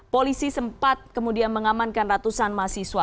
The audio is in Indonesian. polisi sempat kemudian mengamankan ratusan mahasiswa